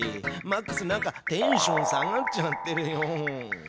マックスなんかテンション下がっちゃってるよ。